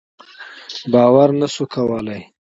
باور نه شو کولای.